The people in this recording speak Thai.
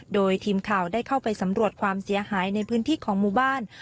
โดยทีมข่าวได้เข้าไปสำรวจความเสียหายในพื้นที่ของหมู่บ้าน